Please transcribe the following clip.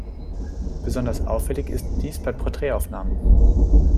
Besonders auffällig ist dies bei Porträtaufnahmen.